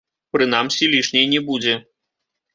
Прынамсі, лішняй не будзе.